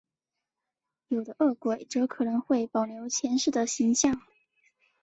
有的饿鬼则可能会保留前世的形象。